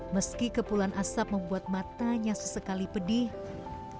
meski kepulan asap membuat dia terlalu keras dia masih bisa mencari makanan